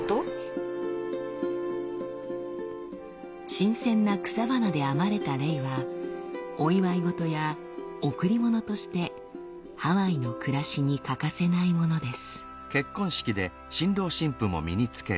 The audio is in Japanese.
新鮮な草花で編まれたレイはお祝い事や贈り物としてハワイの暮らしに欠かせないものです。